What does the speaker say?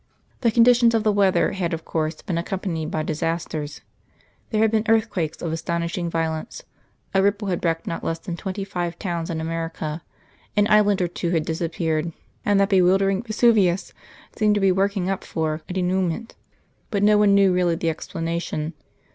The conditions of the weather had of course been accompanied by disasters; there had been earthquakes of astonishing violence, a ripple had wrecked not less than twenty five towns in America; an island or two had disappeared, and that bewildering Vesuvius seemed to be working up for a denouement. But no one knew really the explanation.